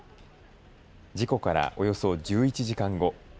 事故からおよそ１１時間後。